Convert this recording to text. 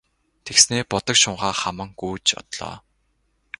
Тэгснээ будаг шунхаа хаман гүйж одлоо.